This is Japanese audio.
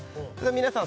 皆さん